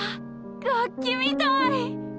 楽器みたい。